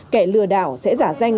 kẻ lừa đảo sẽ giả danh